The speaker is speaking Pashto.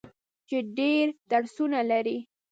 چې ډیر درسونه لري.